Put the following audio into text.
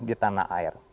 di tanah air